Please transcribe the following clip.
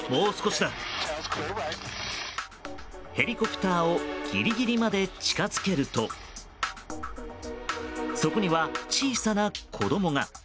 ヘリコプターをギリギリまで近づけるとそこには、小さな子供が。